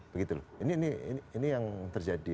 begitu loh ini yang terjadi